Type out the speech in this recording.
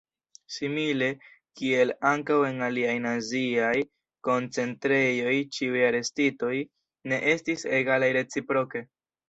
Simile kiel ankaŭ en aliaj naziaj koncentrejoj ĉiuj arestitoj ne estis egalaj reciproke.